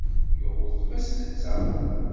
Yuɣ uletma-s netta.